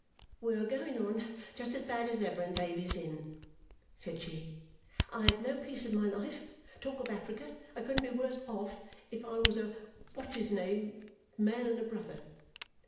"We are going on just as bad as ever in Thavies Inn," said she. "I have no peace of my life. Talk of Africa! I couldn't be worse off if I was a what's his name man and a brother!"